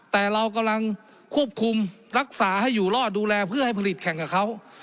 แต่เรากำลังควบคุมรักษาให้อยู่รอดดูแลเพื่อให้ผลิตแข่งกับเขา